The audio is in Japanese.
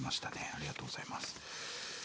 ありがとうございます。